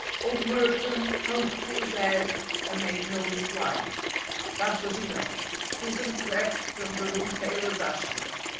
Old Merton hung his head, and made no reply. That was enough. Susan crept from the room pale as ashes.